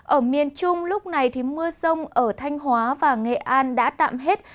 ở miền trung lúc này thì mưa rông ở thanh hóa và nghệ an đã tạm hết